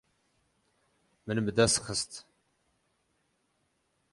Min bi dest xist.